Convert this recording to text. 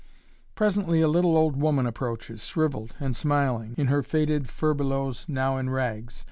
Presently a little old woman approaches, shriveled and smiling, in her faded furbelows now in rags.